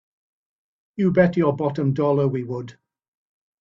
You bet your bottom dollar we would!